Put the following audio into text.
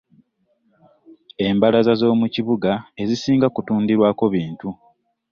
embalaza zo mukibuga ezisinga kutundirwako ebintu.